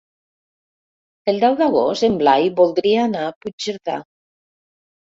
El deu d'agost en Blai voldria anar a Puigcerdà.